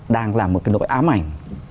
đang là một cái nỗi ám ảnh